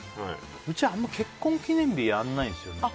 うち、あんまり結婚記念日やらないんですよね。